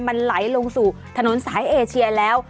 มันไหลลงสู่ถนนสายเอเชียแล้ว